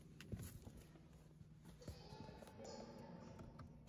akipewa nafasi ya juu kushinda uchaguzi huo rais anayetawala kwa sasa francois bozize